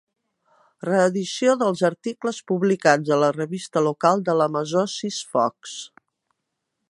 Reedició dels articles publicats a la revista local de La Masó Sis Focs.